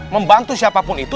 membantu siapapun itu